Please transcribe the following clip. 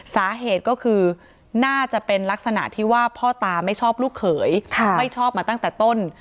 สาเหตุก็คือน่าจะเป็นลักษณะที่ว่าพ่อตาไม่ชอบลูกเขยไม่ชอบมาตั้งแต่ต้น